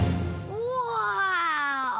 うわ！